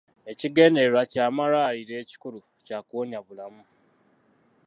Ekigendererwa ky'amalwaliro ekikulu kya kuwonya bulamu.